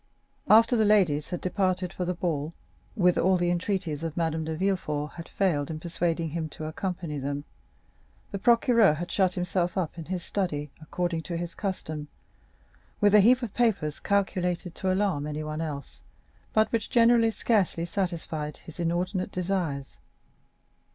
After the ladies had departed for the ball, whither all the entreaties of Madame de Villefort had failed in persuading him to accompany them, the procureur had shut himself up in his study, according to his custom, with a heap of papers calculated to alarm anyone else, but which generally scarcely satisfied his inordinate desires.